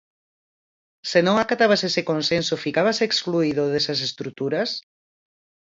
Se non acatabas ese consenso ficabas excluído desas estruturas?